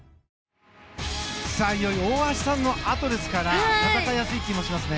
大橋さんのあとですから戦いやすいという気もしますね。